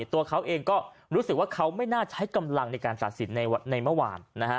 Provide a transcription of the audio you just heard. ตัวเขาเองก็รู้สึกว่าเขาไม่น่าใช้กำลังในการตัดสินในเมื่อวาน